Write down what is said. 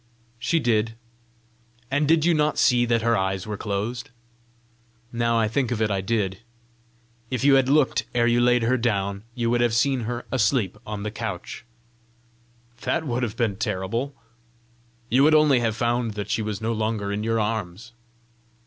"She did." "And did you not see that her eyes were closed?" "Now I think of it, I did." "If you had looked ere you laid her down, you would have seen her asleep on the couch." "That would have been terrible!" "You would only have found that she was no longer in your arms."